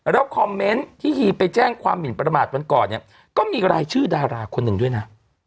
แล้วคอมเมนต์ที่ฮีไปแจ้งความหมินประมาทวันก่อนเนี่ยก็มีรายชื่อดาราคนหนึ่งด้วยนะ